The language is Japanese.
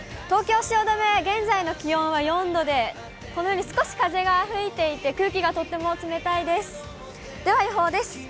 東京・汐留は現在の気温は４度で、このように少し風が吹いていて、空気がとっても冷たいです。